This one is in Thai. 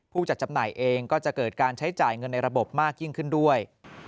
ผู้จัดจำหน่ายเองก็จะเกิดการใช้จ่ายเงินในระบบมากยิ่งขึ้นด้วย